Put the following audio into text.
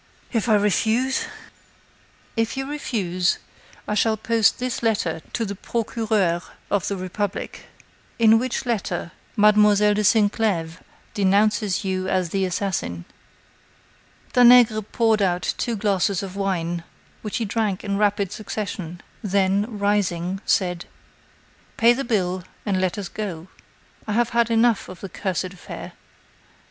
"If I refuse?" "If you refuse, I shall post this letter to the Procureur of the Republic; in which letter Mademoiselle de Sinclèves denounces you as the assassin." Danègre poured out two glasses of wine which he drank in rapid succession, then, rising, said: "Pay the bill, and let us go. I have had enough of the cursed affair."